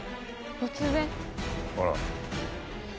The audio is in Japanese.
突然。